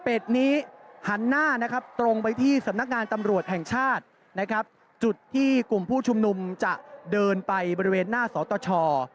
นี้หันหน้านะครับตรงไปที่สำนักงานตำรวจแห่งชาตินะครับจุดที่กลุ่มผู้ชุมนุมจะเดินไปบริเวณหน้าสตช